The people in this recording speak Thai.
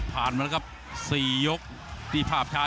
ภูตวรรณสิทธิ์บุญมีน้ำเงิน